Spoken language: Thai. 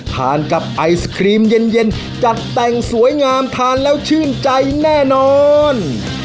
ทานกับไอศครีมเย็นจัดแต่งสวยงามทานแล้วชื่นใจแน่นอน